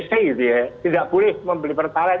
tidak boleh membeli pertalit